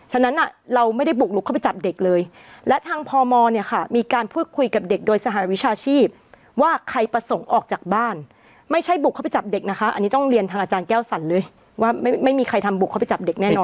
ฉะนั้นเราไม่ได้บุกลุกเข้าไปจับเด็กเลยและทางพมเนี่ยค่ะมีการพูดคุยกับเด็กโดยสหวิชาชีพว่าใครประสงค์ออกจากบ้านไม่ใช่บุกเข้าไปจับเด็กนะคะอันนี้ต้องเรียนทางอาจารย์แก้วสั่นเลยว่าไม่มีใครทำบุกเข้าไปจับเด็กแน่นอน